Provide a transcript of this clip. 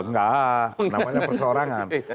enggak namanya perseorangan